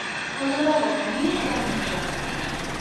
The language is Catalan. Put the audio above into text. El deu d'agost na Nina irà al metge.